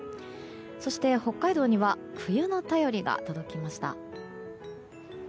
そして、北海道には冬の便りが届きました。